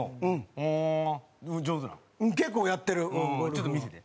ちょっと見せて。